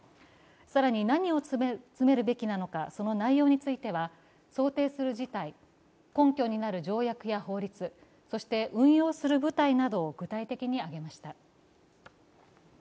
更に何を詰めるべきなのか、その内容については想定する事態、根拠になる条約や法律、そして運用する部隊などを具体的に挙げました。